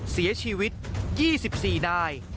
เสียชีวิต๒๔นาย